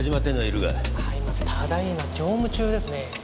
あただ今乗務中ですね。